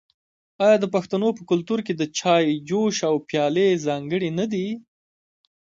آیا د پښتنو په کلتور کې د چای جوش او پیالې ځانګړي نه دي؟